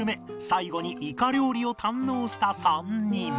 最後にイカ料理を堪能した３人